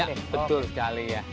ya betul sekali ya